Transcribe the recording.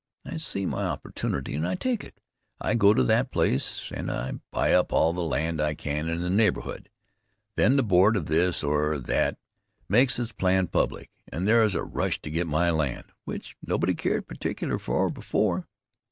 I see my opportunity and I take it. I go to that place and I buy up all the land I can in the neighborhood. Then the board of this or that makes its plan public, and there is a rush to get my land, which nobody cared particular for before.